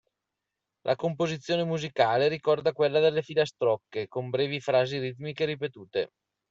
La composizione musicale ricorda quella delle filastrocche, con brevi frasi ritmiche ripetute.